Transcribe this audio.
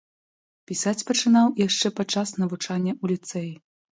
Пісаць пачынаў яшчэ падчас навучання ў ліцэі.